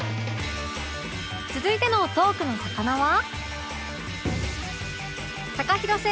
続いてのトークのさかなは？